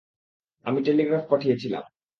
আমি টেলিগ্রাফ পাঠিয়েছিলাম।